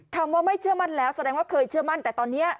คำว่าไม่เชื่อมั่นแล้วแสดงว่าเคยเชื่อมั่นแต่ตอนนี้